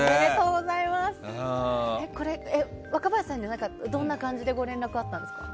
これ、若林さんにはどんな感じでご連絡があったんですか？